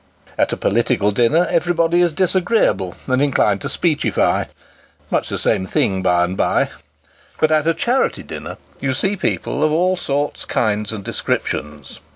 At a political dinner, The Indigent Orphans. 121 everybody is disagreeable, and inclined to speechify much the same thing, by the bye ; but at a charity dinner you see people of all sorts, kinds, and descriptions.